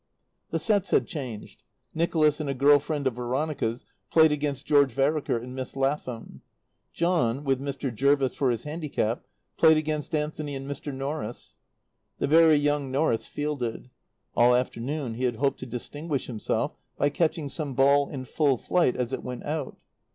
The sets had changed. Nicholas and a girl friend of Veronica's played against George Vereker and Miss Lathom; John, with Mr. Jervis for his handicap, played against Anthony and Mr. Norris. The very young Norris fielded. All afternoon he had hoped to distinguish himself by catching some ball in full flight as it went "out."